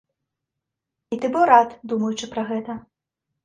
І ты быў рад, думаючы пра гэта.